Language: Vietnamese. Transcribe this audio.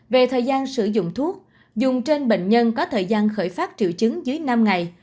về thời gian sử dụng thuốc dùng trên bệnh nhân có thời gian khởi phát triệu chứng dưới năm ngày